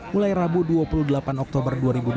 mulai rabu dua puluh delapan oktober dua ribu delapan belas